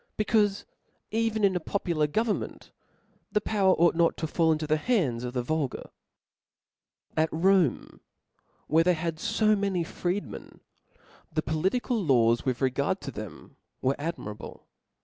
367 becaufe, even in a popular governtnent, the power Book .ought not to fall into the hands of the vulgar. chap. 17. At Rome, where they had fo many freedmen, the political laws with regard to them, were ad mirable.